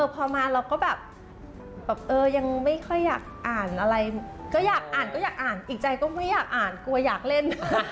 พอมาเราก็แบบเออยังไม่ค่อยอยากอ่านอะไรก็อยากอ่านก็อยากอ่านอีกใจก็ไม่อยากอ่านกลัวอยากเล่น